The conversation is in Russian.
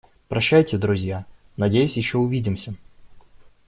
Прощайте друзья, надеюсь ещё увидимся!